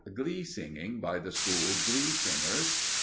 Glee Singing by the School Glee Singers.